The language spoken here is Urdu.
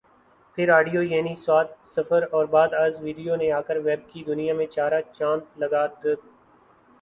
پھر آڈیو یعنی ص سفر اور بعد آز ویڈیو نے آکر ویب کی دنیا میں چارہ چاند لگا د